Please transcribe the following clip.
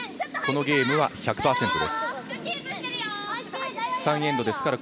このゲームは１００％です。